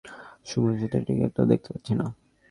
আমরা এতদূর চলে এসেছি তবুও সুমুন সেতুর টিকিটাও দেখতে পাচ্ছি না।